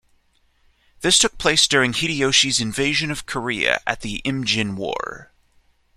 This took place during Hideyoshi's invasions of Korea at the Imjin war.